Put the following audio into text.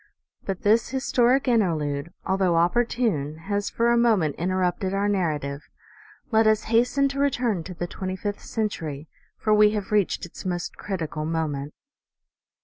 But this historic interlude, although opportune, has for a moment interrupted our narrative. Let us hasten to return to the twenty fifth century, for we have reached its most critical moment.